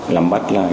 làm bắt lại